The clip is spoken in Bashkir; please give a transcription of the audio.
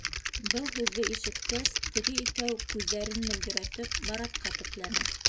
Был һүҙҙе ишеткәс, теге икәү, күҙҙәрен мөлдөрәтеп, Маратка текләне.